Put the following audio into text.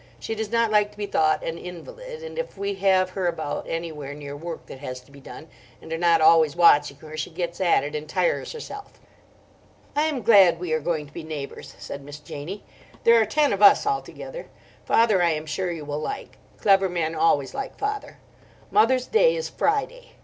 She does not like to be thought an invalid, and if we have her about anywhere near work that has to be done, and are not always watching her, she gets at it and tires herself." "I am glad we are going to be neighbours," said Miss Janie. "There are ten of us altogether. Father, I am sure, you will like; clever men always like father. Mother's day is Friday.